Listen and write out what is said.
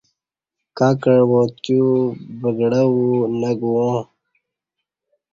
کہ کعبا تیو بگڑ ہ وو نہ گواں